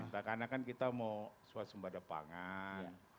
karena kan kita mau swadzumbada pangan